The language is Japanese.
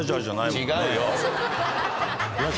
違うよ。